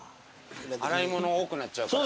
洗い物多くなっちゃうから。